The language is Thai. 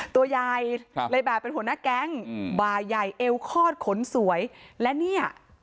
ตัวยายเลภาพเป็นหัวหน้าแก๊งบ่ายายเอวคอดขนสวยและเนี่ย